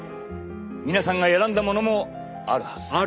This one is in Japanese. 皆さんが選んだものもあるはずだ。